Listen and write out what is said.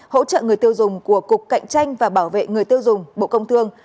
hỗ trợ người tiêu dùng của cục cạnh tranh và bảo vệ người tiêu dùng bộ công thương